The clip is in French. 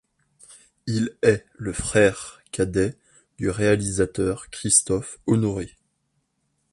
Il est le frère cadet du réalisateur Christophe Honoré.